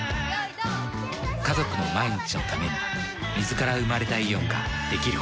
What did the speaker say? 家族の毎日のために水から生まれたイオンができること。